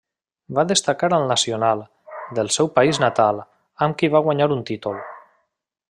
Va destacar al Nacional, del seu país natal, amb qui va guanyar un títol.